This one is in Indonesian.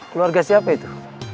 keluarga siapa itu